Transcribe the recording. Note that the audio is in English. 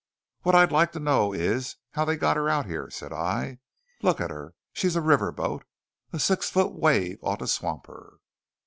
"What I'd like to know is how they got her out here," said I. "Look at her! She's a river boat. A six foot wave ought to swamp her!"